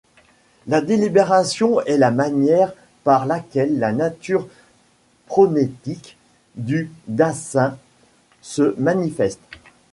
La délibération est la manière par laquelle la nature phronétique du Dasein se manifeste.